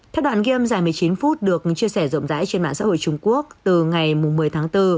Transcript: theo đoạn game dài một mươi chín phút được chia sẻ rộng rãi trên mạng xã hội trung quốc từ ngày một mươi tháng bốn